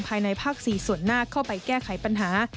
ภายในภาค๔ส่วนหน้าเข้าไปแก้ไขปัญหา